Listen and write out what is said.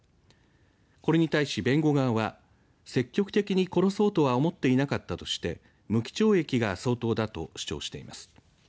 これに対し、弁護側は積極的に殺そうとは思っていなかったとして無期懲役が相当だと主張しています。